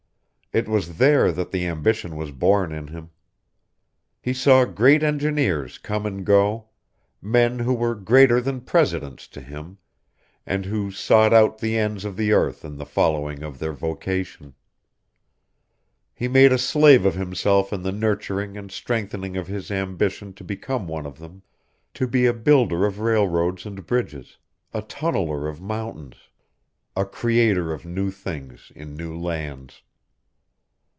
It was there that the ambition was born in him. He saw great engineers come and go men who were greater than presidents to him, and who sought out the ends of the earth in the following of their vocation. He made a slave of himself in the nurturing and strengthening of his ambition to become one of them to be a builder of railroads and bridges, a tunneler of mountains, a creator of new things in new lands.